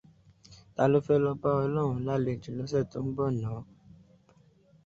Tá ló fẹ́ lọ bá ọlọ́run lálejò lọ́sẹ̀ tó ń bọ̀ ná?